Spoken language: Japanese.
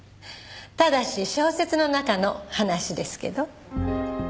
ただし小説の中の話ですけど。